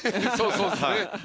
そうですね。